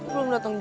belum dateng juga